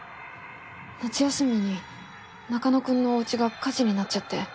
夏休みに中野くんのおうちが火事になっちゃって。